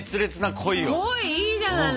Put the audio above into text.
恋いいじゃないの。